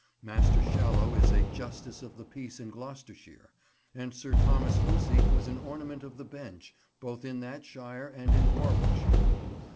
Master Shallow is a Justice of the Peace in Gloucestershire, and Sir Thomas Lucy was an ornament of the Bench both in that shire and in Warwickshire.